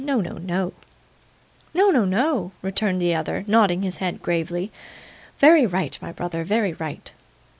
'No, no, no,' returned the other, nodding his head gravely. 'Very right, my dear brother, very right.